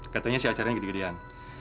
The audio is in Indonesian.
katanya sih acaranya gede gedean